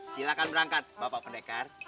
silahkan berangkat bapak pendekar